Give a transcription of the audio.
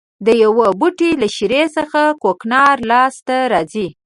د یوه بوټي له شېرې څخه کوکنار لاس ته راځي.